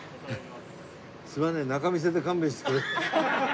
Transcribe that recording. すみません仲見世で勘弁してくれ。